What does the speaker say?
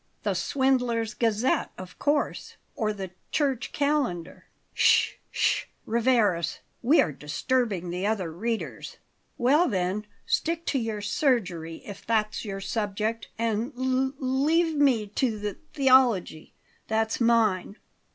"The Swindlers' Gazette, of course, or the Church Calendar." "Sh sh! Rivarez, we are disturbing the other readers." "Well then, stick to your surgery, if that's your subject, and l l leave me to th theology that's mine.